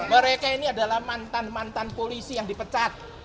mereka ini adalah mantan mantan polisi yang dipecat